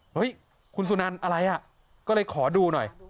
เฮ้ยคุณสุนันอะไรอ่ะก็เลยขอดูหน่อย